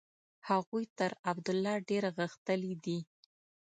هغوی تر عبدالله ډېر غښتلي دي.